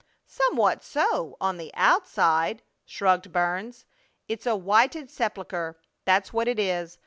"Somewhat so, on the _out_side!" shrugged Burns. "It's a whited sepulcher, that's what it is.